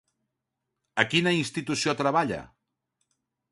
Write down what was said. A quina institució treballa?